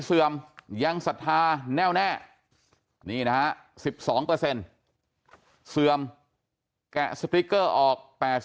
เสื่อมยังศรัทธาแน่วแน่นี่นะฮะ๑๒เสื่อมแกะสติ๊กเกอร์ออก๘๐